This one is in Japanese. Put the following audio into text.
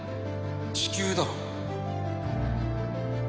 地球だろ。